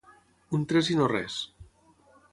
Un tres i no res.